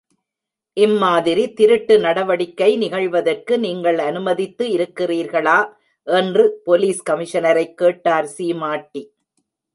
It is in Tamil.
இம்மாதிரி திருட்டு நடவடிக்கை நிகழ்வதற்கு நீங்கள் அனுமதித்து இருக்கிறீர்களா? என்று போலிஸ் கமிஷனரைக் கேட்டார் சீமாட்டி.